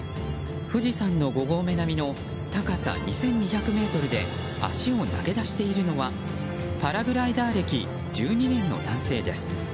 富士山の５合目並みの高さ２２００ｍで足を投げ出しているのはパラグライダー歴１２年の男性です。